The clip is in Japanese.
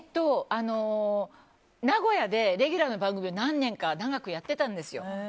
名古屋でレギュラーの番組を何年か長くやってたんですよ。